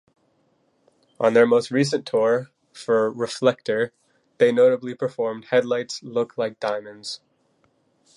On their most recent tour, for "Reflektor", they notably performed Headlights Look Like Diamonds.